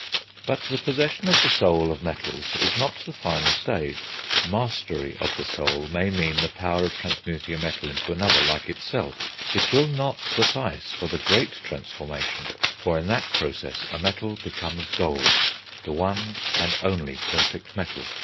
But the possession of the soul of metals is not the final stage: mastery of the soul may mean the power of transmuting a metal into another like itself; it will not suffice for the great transmutation, for in that process a metal becomes gold, the one and only perfect metal.